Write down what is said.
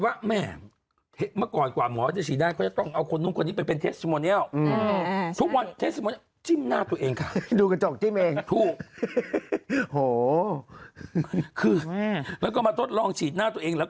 แล้วปรากฏว่าเมื่อก่อน